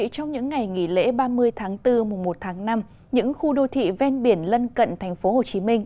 trong những ngày nghỉ lễ ba mươi tháng bốn một tháng năm những khu đô thị ven biển lân cận thành phố hồ chí minh